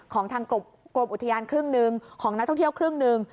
ของทางกรมอุทยานครึ่งหนึ่งของนักท่องเที่ยวครึ่งหนึ่ง